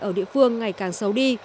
ở địa phương ngày càng sâu đi